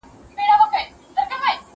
زه به سبا د کتابتون کار وکړم؟!